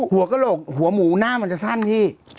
หัวกระโหลกหัวหมูหน้ามันจะสั้นพี่